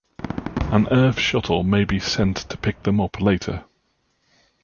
An Earth shuttle may be sent to pick them up later.